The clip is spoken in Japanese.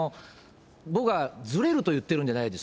僕はずれると言ってるんじゃないです。